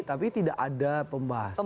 tapi tidak ada pembahasan soal itu